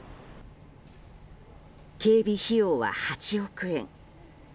警備費用は８億円。